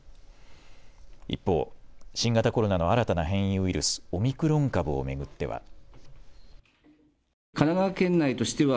一方、新型コロナの新たな変異ウイルス、オミクロン株を巡っては。